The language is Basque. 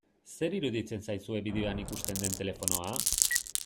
Zer iruditzen zaizue bideoan ikusten den telefonoa?